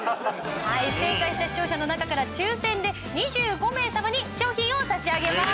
はい正解した視聴者の中から抽選で２５名様に商品を差し上げます。